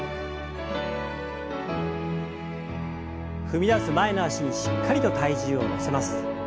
踏み出す前の脚にしっかりと体重を乗せます。